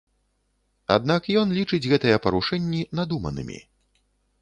Аднак ён лічыць гэтыя парушэнні надуманымі.